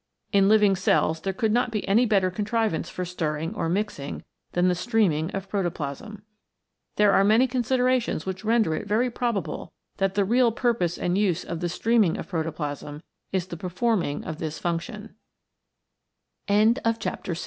In living cells there could not be any better contrivance for stirring or mixing than the streaming of protoplasm. There are many considerations which render it very probable that the real purpose and use of the streaming of proto plas